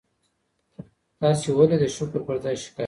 تاسي ولي د شکر پر ځای شکایت کوئ؟